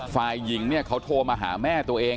ฝ่ายหญิงเนี่ยเขาโทรมาหาแม่ตัวเอง